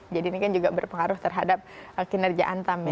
jadi ini kan juga berpengaruh terhadap kinerja antam ya